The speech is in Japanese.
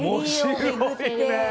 面白いね。